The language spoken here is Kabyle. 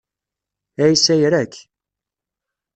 Ɛisa ira-k.